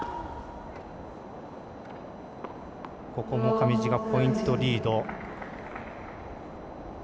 上地がポイントリード。